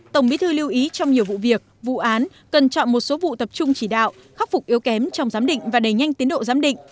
tổng bí thư lưu ý trong nhiều vụ việc vụ án cần chọn một số vụ tập trung chỉ đạo khắc phục yếu kém trong giám định và đẩy nhanh tiến độ giám định